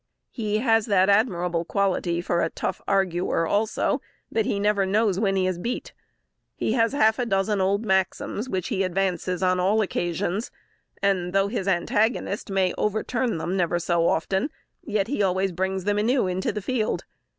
He has that admirable quality for a tough arguer, also, that he never knows when he is beat. He has half a dozen old maxims, which he advances on all occasions, and though his antagonist may overturn them never so often, yet he always brings them anew into the field.